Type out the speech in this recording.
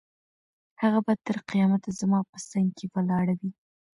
هغه به تر قیامته زما په څنګ کې ولاړه وي.